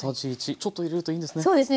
ちょっと入れるといいんですね。